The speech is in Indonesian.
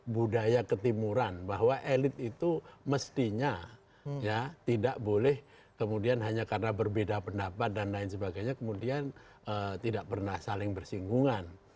budaya ketimuran bahwa elit itu mestinya tidak boleh kemudian hanya karena berbeda pendapat dan lain sebagainya kemudian tidak pernah saling bersinggungan